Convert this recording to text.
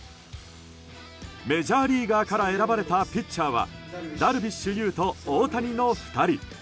メジャーリーガーから選ばれたピッチャーはダルビッシュ有と大谷の２人。